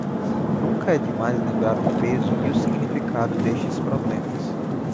Nunca é demais lembrar o peso e o significado destes problemas